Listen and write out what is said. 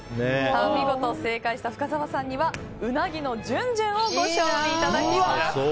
見事正解した深澤さんにはうなぎのじゅんじゅんをご賞味いただきます。